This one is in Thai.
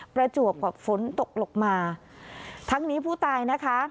ประจวบกับฝนตกลงมาทั้งนี้ผู้ตายนะคะ